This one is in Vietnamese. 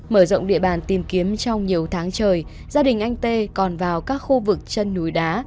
mở rộng địa bàn tìm kiếm trong nhiều tháng trời gia đình anh tê còn vào các khu vực chân núi đá